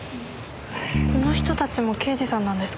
この人たちも刑事さんなんですか？